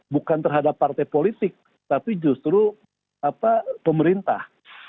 bukan terhadap partai politik tapi justru pemerintah